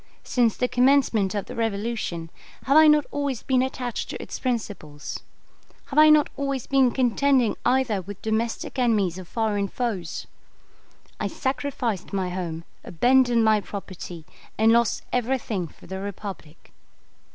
Since the commencement of the Revolution, have I not always been attached to its principles? Have I not always been contending either with domestic enemies or foreign foes? I sacrificed my home, abandoned my property, and lost everything for the Republic?